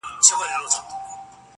چي خپل خوب ته مي تعبیر جوړ کړ ته نه وې-